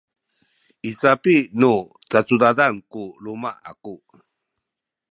i capi nu cacudadan ku luma’ aku